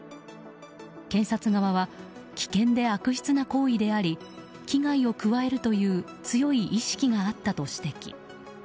検察側は危険で悪質な行為であり危害を加えるという強い意識があったと指摘。